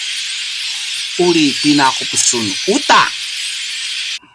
muri pinaqup sun uta!